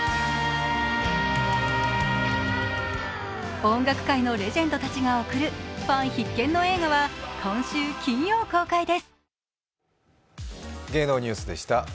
音楽界のレジェンドたちが贈るファン必見の映画は今週金曜公開です。